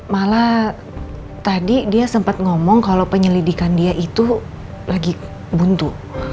malah tadi dia sempat ngomong kalau penyelidikan dia itu lagi buntu